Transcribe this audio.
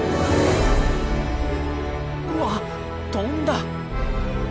うわっ飛んだ！